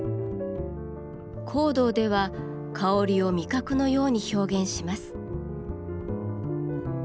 香道では香りを味覚のように表現します。